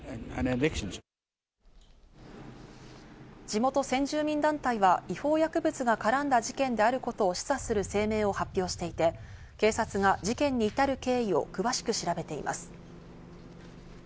地元先住民団体は違法薬物が絡んだ事件であることを示唆する声明を発表していて、警察が事件に至る経緯を詳しく調べています。